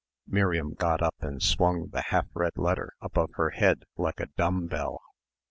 Miriam got up and swung the half read letter above her head like a dumb bell.